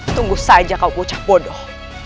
tunggu saja kalau bocah bodoh